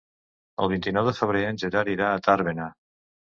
El vint-i-nou de febrer en Gerard irà a Tàrbena.